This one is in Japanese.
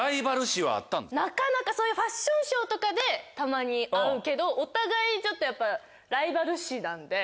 なかなかファッションショーとかでたまに会うけどお互いちょっとやっぱライバル誌なんで。